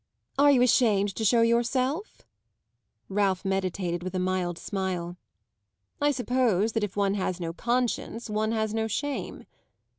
"Are you ashamed to show yourself?" Ralph meditated with a mild smile. "I suppose that if one has no conscience one has no shame."